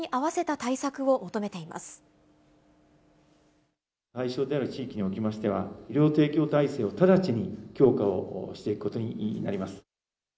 対象である地域におきましては、医療提供体制を直ちに強化をしていくことになります。